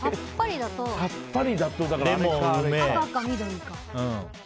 さっぱりだと赤か緑か。